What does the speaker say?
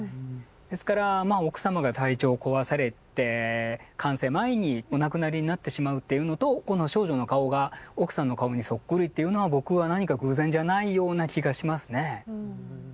ですから奥様が体調を壊されて完成前にお亡くなりになってしまうっていうのとこの少女の顔が奥さんの顔にそっくりっていうのは僕は何か偶然じゃないような気がしますね。